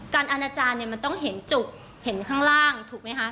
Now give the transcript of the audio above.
อาณาจารย์เนี่ยมันต้องเห็นจุกเห็นข้างล่างถูกไหมคะ